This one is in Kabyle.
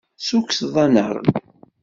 Tessukkseḍ-aneɣ-d.